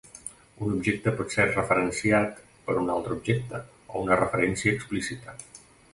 Un objecte pot ser referenciat per un altre objecte, o una referència explícita.